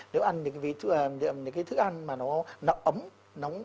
nếu ăn những cái thức ăn mà nó ấm nóng